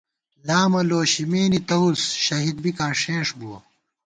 لامہ لوشِمېنے تَوُس ، شہید بِکاں ݭېنݭ بُوَہ